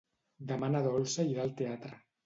Demà na Dolça irà al teatre.